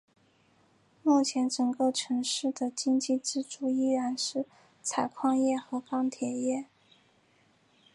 目前整个城市的经济支柱依然是采矿业和钢铁业。